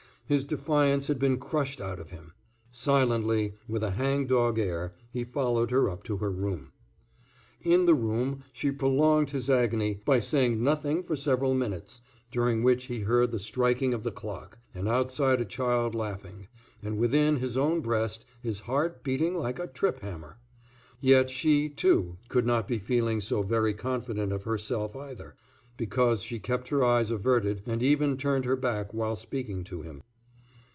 His defiance had been crushed out of him. Silently, with a hang dog air, he followed her up to her room. In the room she prolonged his agony by saying nothing for several minutes, during which he heard the striking of the clock, and outside a child laughing, and within his own breast his heart beating like a trip hammer. Yet she, too, could not be feeling so very confident of herself either, because she kept her eyes averted and even turned her back while speaking to him.